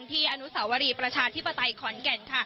มาเยี่ยงที่อนุสาวรีประชาธิปไตยขอนแก่น